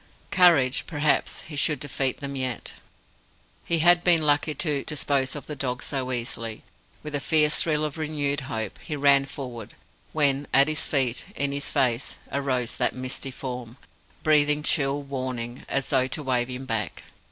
Courage perhaps he should defeat them yet! He had been lucky to dispose of the dog so easily. With a fierce thrill of renewed hope, he ran forward; when at his feet, in his face, arose that misty Form, breathing chill warning, as though to wave him back.